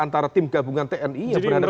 dari tim gabungan tni